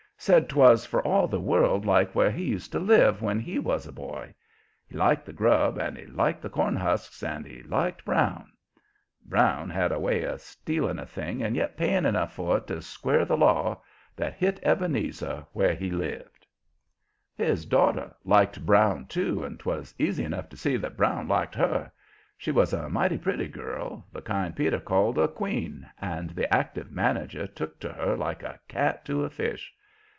Said 'twas for all the world like where he used to live when he was a boy. He liked the grub and he liked the cornhusks and he liked Brown. Brown had a way of stealing a thing and yet paying enough for it to square the law that hit Ebenezer where he lived. His daughter liked Brown, too, and 'twas easy enough to see that Brown liked her. She was a mighty pretty girl, the kind Peter called a "queen," and the active manager took to her like a cat to a fish.